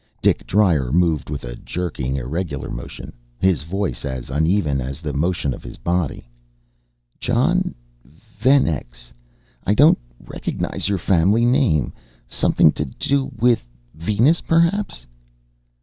Dik Dryer moved with a jerking, irregular motion, his voice as uneven as the motion of his body. "Jon Venex, I don't recognize your family name. Something to do with Venus perhaps."